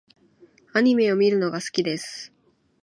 アニメを見るのが好きです。